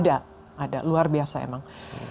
ada luar biasa emang